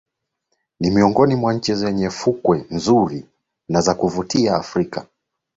Ni miongoni mwa nchi zenye fukwe nzuri na za kuvutia Afrika